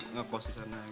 ngekos di sana